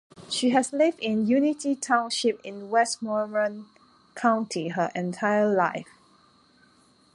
She has lived in Unity Township in Westmoreland County her entire life.